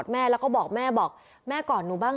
เบอร์ลูอยู่แบบนี้มั้งเยอะมาก